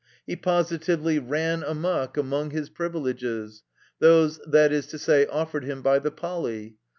He positively ran amuck among his privileges — those, that is to say, offered him by the Poly.